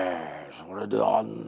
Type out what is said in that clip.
それであんな